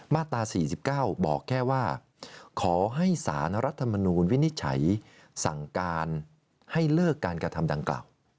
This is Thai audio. มาตรา๔๙บอกแค่ว่าขอให้สารรัฐมนูลวินิจฉัยสั่งการให้เลิกการกระทำดังกล่าว